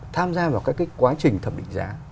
tham gia vào các cái quá trình thẩm định giá